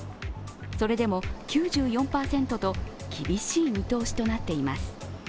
それでも９４％と厳しい見通しとなっています。